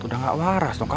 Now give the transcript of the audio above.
udah ga waras dong kak